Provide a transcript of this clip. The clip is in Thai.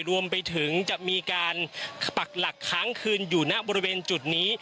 รวมไปถึงจะมีการปักหลักค้างคืนอยู่ณบริเวณจุดนี้